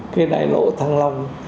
cái đại lộ thăng long